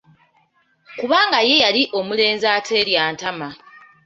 Kubanga ye yali omulenzi ateerya ntama.